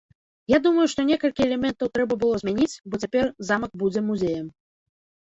Я думаю, што некалькі элементаў трэба было змяніць, бо цяпер замак будзе музеям.